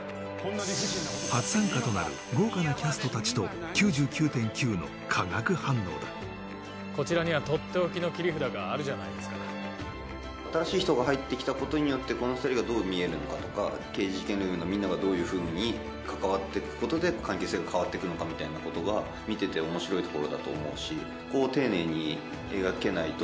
初参加となる豪華なキャスト達と「９９．９」の化学反応だこちらには取って置きの切り札があるじゃないですか新しい人が入ってきたことによってこの２人がどう見えるのかとか刑事事件ルームのみんながどういうふうに関わってくことで関係性が変わってくのかみたいなことが見てて面白いところだと思うし